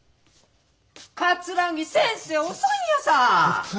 桂木先生遅いんやさ！